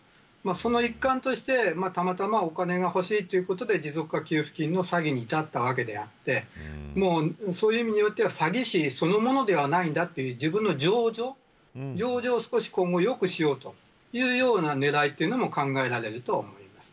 その一環として、たまたまお金がほしいということで持続化給付金の詐欺に至ったわけであってそういう意味で言えば詐欺師そのものではないという自分の情状少しよくしようというような狙いも考えられると思います。